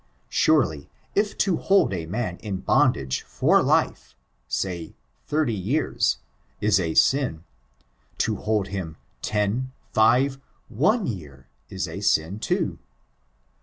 Surely, if to hold a man in bondage for life — say thirty years— is a sin ; to hold him ten, five, one year, is a sin too.